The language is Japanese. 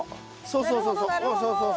そうそうそうそう。